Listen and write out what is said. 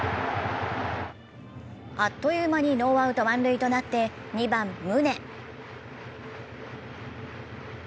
あっという間にノーアウト満塁となって２番・宗。